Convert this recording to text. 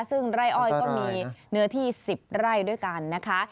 ซึ่งไร่อ้อยก็มีเนื้อที่๑๐ไร่ด้วยกันนะคะ